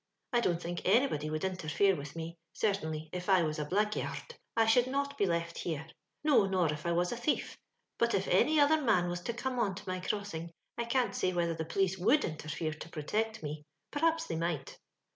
I don't think anybody would interfere witii me; certainly, if I was a blaggya'rd I should not be left here ; no, nor if I was a thief; but if any other man was to come on to^ my crossing, I can't say whether the jiohce would interfere to protect me — p'rhaps they might.